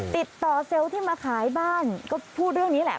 ติดต่อเซลล์ที่มาขายบ้านก็พูดเรื่องนี้แหละ